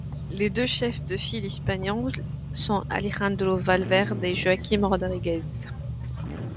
Les deux chefs de file espagnols sont Alejandro Valverde et Joaquim Rodríguez.